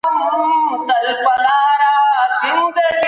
خپل کور ته د تازه هوا لار ورکړئ.